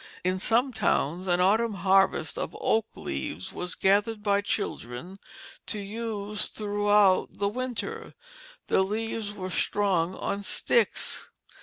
In some towns an autumn harvest of oak leaves was gathered by children to use throughout the winter. The leaves were strung on sticks.